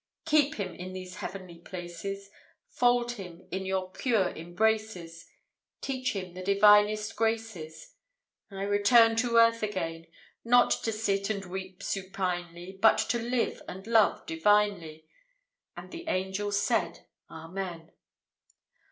"Keep him in these heavenly places, Fold him in your pure embraces, Teach him the divinest graces: I return to earth again; Not to sit and weep supinely, But to live and love divinely." And the angels said, "Amen!"